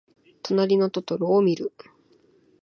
となりのトトロをみる。